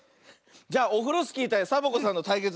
じゃあオフロスキーたいサボ子さんのたいけつ。